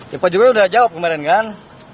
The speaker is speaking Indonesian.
ya pak jokowi udah jawab kemarin kan